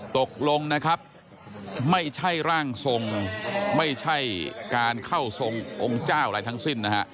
ตกลงนะครับไม่ใช่ร่างทรงไม่ใช่การเข้าทรงองค์เจ้าอะไรทั้งสิ้นนะฮะ